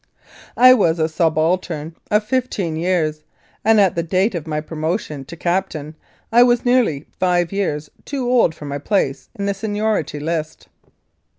I was a subaltern of fifteen years, and at the date of my promotion to captain I was neafly five years too old for my place in the seniority list.